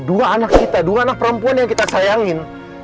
dua anak kita dua anak perempuan yang kita sayangin